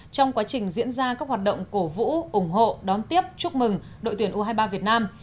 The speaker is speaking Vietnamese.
trong quá trình diễn ra các hoạt động cổ vũ ủng hộ đón tiếp chúc mừng đội tuyển u hai mươi ba việt nam